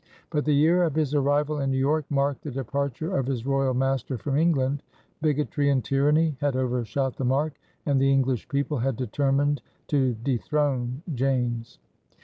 But the year of his arrival in New York marked the departure of his royal master from England. Bigotry and tyranny had overshot the mark and the English people had determined to dethrone James.